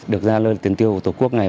được ra nơi tiền tiêu của tổ quốc này